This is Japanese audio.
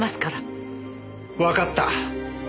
わかった。